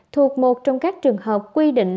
thuộc một trong các trường hợp quy định